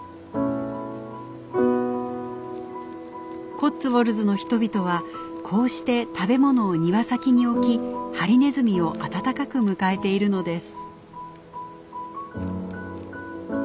コッツウォルズの人々はこうして食べ物を庭先に置きハリネズミを温かく迎えているのです。